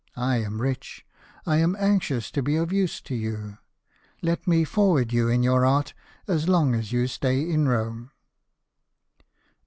I am rich. I am anxious to be of use to you. Let me forward you in your art as long as you stay in Rome."